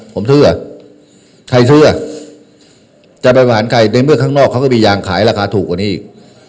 ผมซื้ออ่ะใครซื้ออ่ะจะไปผ่านใครในเมืองข้างนอกเขาก็มียางขายราคาถูกกว่านี้อีก